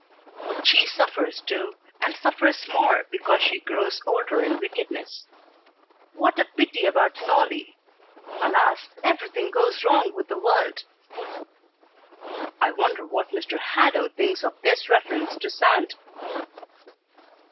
But she suffers too, and suffers more because she grows older in wickedness. What a pity about Soli! Alas! everything goes wrong with the world!" I wonder what Mr. Hadow thinks of this reference to Sand!